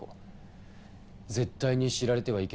絶対に知られてはいけない秘密。